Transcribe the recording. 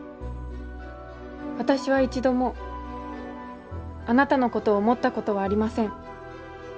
わたしは一度も貴君のことを思ったことはありません。